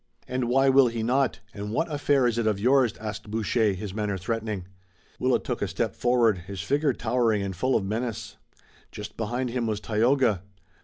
"And why will he not, and what affair is it of yours?" asked Boucher, his manner threatening. Willet took a step forward, his figure towering and full of menace. Just behind him was Tayoga.